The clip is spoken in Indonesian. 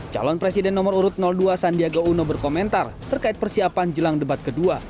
calon presiden nomor urut dua sandiaga uno berkomentar terkait persiapan jelang debat kedua